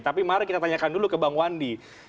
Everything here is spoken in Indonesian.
tapi mari kita tanyakan dulu ke bang wandi